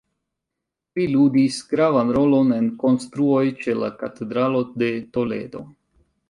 Li ludis gravan rolon en konstruoj ĉe la Katedralo de Toledo.